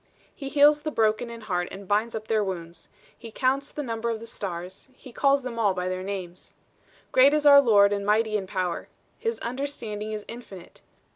He healeth the broken in heart, and bindeth up their wounds. 320 IReeponsive IReaMnge He counteth the number of the stars ; he calleth them all by their names. Great is our Lord, and mighty in power; his understanding is infinite.